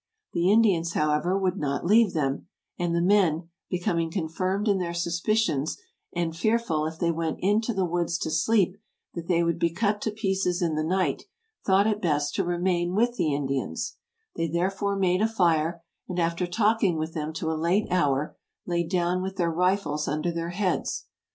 The In dians, however, would not leave them; and the men, becom ing confirmed in their suspicions, and fearful, if they went into the woods to sleep, that they would be cut to pieces in the night, thought it best to remain with the Indians ; they therefore made a fire, and after talking with them to a late hour, laid down with their rifles under their heads.